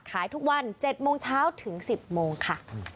ขายทุกวัน๗โมงเช้าถึง๑๐โมงค่ะ